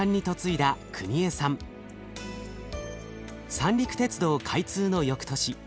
三陸鉄道開通の翌年